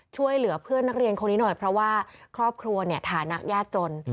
ช่วยเหลือเพื่อนนักเรียนคนนี้หน่อยเพราะว่าครอบครัวเนี่ยฐานะยากจน